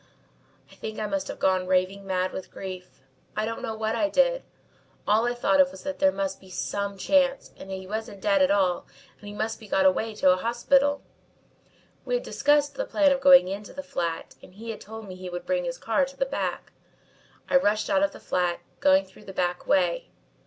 "I think I must have gone raving mad with grief. I don't know what I did. All I thought of was that there must be some chance and he wasn't dead at all and he must be got away to a hospital. We had discussed the plan of going into the flat and he had told me how he would bring his car to the back. I rushed out of the flat, going through the back way.